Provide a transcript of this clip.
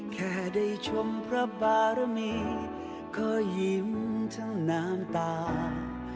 แค่ได้ชมพระบารมีก็ยิ้มทั้งน้ำตา